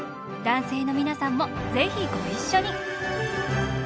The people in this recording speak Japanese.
男性の皆さんも是非ご一緒に！